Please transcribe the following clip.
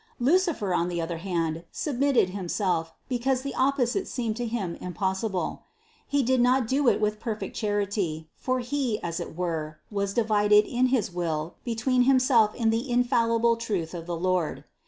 Lucifer, on the other hand, submitted himself, because the opposite seemed to him impossible. He did not do it with perfect char ity, for he, as it were, was divided in his will between himself and the infallible truth of the Lord.